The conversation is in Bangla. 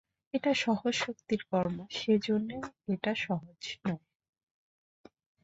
এটা সহজ শক্তির কর্ম, সেইজন্যেই এটা সহজ নয়।